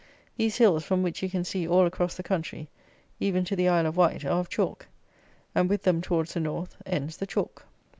These hills, from which you can see all across the country, even to the Isle of Wight, are of chalk, and with them, towards the North, ends the chalk.